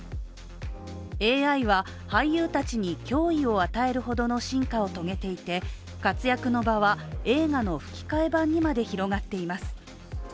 ＡＩは俳優たちに脅威を与えるほどの進化を遂げていて活躍の場は映画の吹き替え版にまで広がっています。